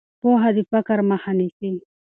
پوهه د فقر مخه نیسي.